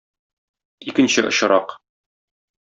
Икенче очрак.